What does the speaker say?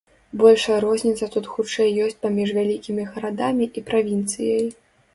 Большая розніца тут хутчэй ёсць паміж вялікімі гарадамі і правінцыяй.